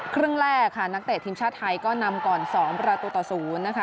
ครึ่งแรกค่ะนักเตะทีมชาติไทยก็นำก่อน๒ประตูต่อ๐นะคะ